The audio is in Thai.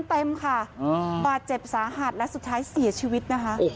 เต็มค่ะบาดเจ็บสาหัสและสุดท้ายเสียชีวิตนะคะ